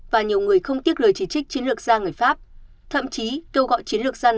và nhiều người không tiếc lời chỉ trích chiến lược